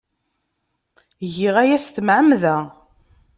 Giɣ aya s tmeɛmada.